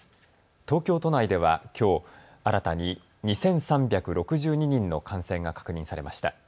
東京都内ではきょう新たに２３６２人の感染が確認されました。